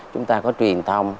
chúng ta có truyền thông